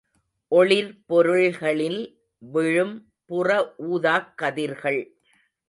ஒளிர்பொருள்களில் விழும் புறஊதாக் கதிர்கள்.